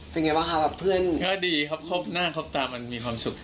เป็นไงบ้างคะแบบเพื่อนก็ดีครับครบหน้าครบตามันมีความสุข